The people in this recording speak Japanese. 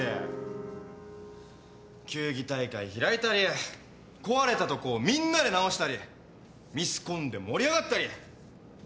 球技大会開いたり壊れたとこをみんなで直したりミスコンで盛り上がったり。